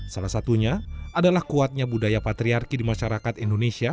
salah satunya adalah kuatnya budaya patriarki di masyarakat indonesia